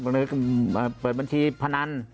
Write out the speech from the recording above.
หรือเปิดบัญชีพนัน